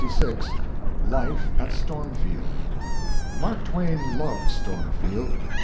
LXVI LIFE AT STORMFIELD Mark Twain loved Stormfield.